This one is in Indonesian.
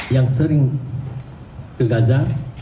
yang sering ke gaza